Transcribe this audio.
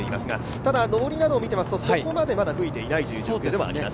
ただ、上りなどを見てみますと、そこまでまだ吹いていないという状況ではあります。